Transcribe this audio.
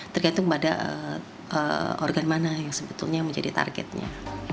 tergantung pada organ mana yang sebetulnya menjadi targetnya